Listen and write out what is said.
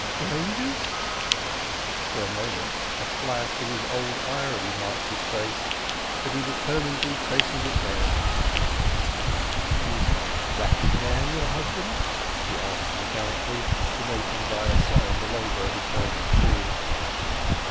Strangers!" For a moment a flash of his old irony marked his face; but he determinedly chastened it down. "Is that man your husband?" he asked mechanically, denoting by a sign the labourer who turned the machine.